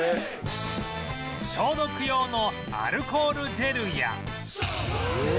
消毒用のアルコールジェルや